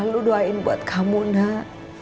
bu selalu doain buat kamu nak